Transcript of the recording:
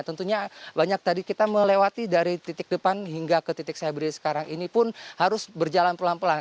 tentunya banyak tadi kita melewati dari titik depan hingga ke titik saya berdiri sekarang ini pun harus berjalan pelan pelan